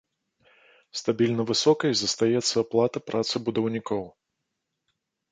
Стабільна высокай застаецца аплата працы будаўнікоў.